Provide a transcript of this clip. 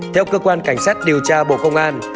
theo cơ quan cảnh sát điều tra bộ công an